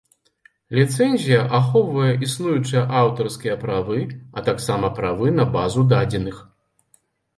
Ліцэнзія ахоўвае існуючыя аўтарскія правы, а таксама правы на базу дадзеных.